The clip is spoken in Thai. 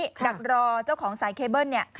ดักรอเจ้าของสายเคเบิ้ลเนี่ย